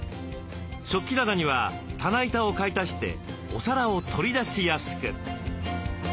食器棚には棚板を買い足してお皿を取り出しやすく。